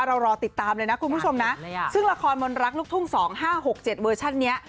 รอติดตามเลยนะคุณผู้ชมนะซึ่งละครมนรักลูกทุ่ง๒๕๖๗เวอร์ชันนี้